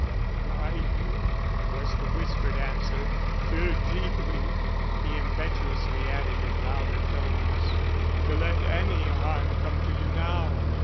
"And I you," was the whispered answer. "Too deeply," he impetuously added in louder tones, "to let any harm come to you now."